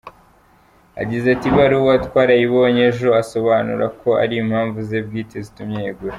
Yagize ati “Ibaruwa twarayibonye ejo, asobanura ko ari impamvu ze bwite zitumye yegura.